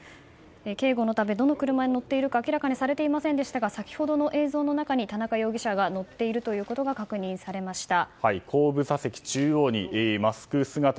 警護のためどの車に乗っているか明らかにされていませんでしたが先ほどの映像の中に田中容疑者が乗っているということが確認されました。